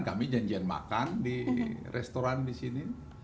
kami janjian makan di restoran di sini